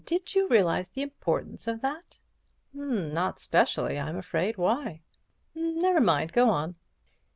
Did you realize the importance of that?" "Not specially, I'm afraid—why?" "Never mind—go on."